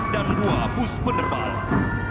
dan dua pus penerbangan